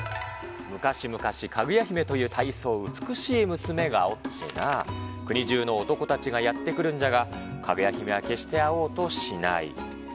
昔々、かぐや姫という大層美しい娘がおってな、国中の男たちがやって来るんじゃが、かぐや姫は決して会おうとしない。